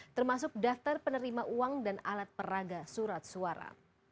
termasuk daftar penerima uang dan alat peraga surat suara